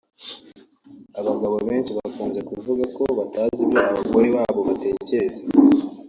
Abagabo benshi bakunze kuvuga ko batazi ibyo abagore babo batekereza